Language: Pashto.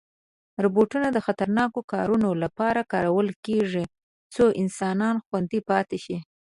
روباټونه د خطرناکو کارونو لپاره کارول کېږي، څو انسان خوندي پاتې شي.